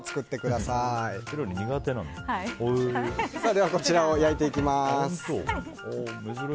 では、こちらを焼いていきます。